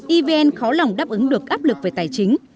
evn khó lòng đáp ứng được áp lực về tài chính